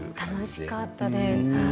楽しかったです。